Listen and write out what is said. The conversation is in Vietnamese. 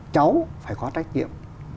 cháu phải có trách nhiệm